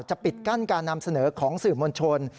ปิดกั้นการนำเสนอของสื่อมวลชน